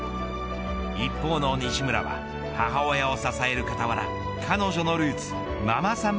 一方の西村は母親を支えるかたわら彼女のルーツママさん